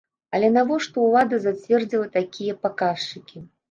Але навошта ўлада зацвердзіла такія паказчыкі?